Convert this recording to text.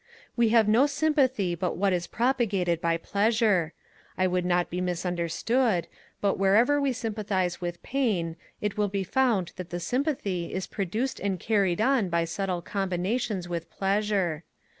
We have no sympathy but what is propagated by pleasure: I would not be misunderstood; but wherever we sympathize with pain, it will be found that the sympathy is produced and carried on by subtle combinations with pleasure.